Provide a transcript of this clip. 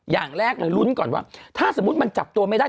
อย่างแรกเลยลุ้นก่อนว่าถ้าสมมุติมันจับตัวไม่ได้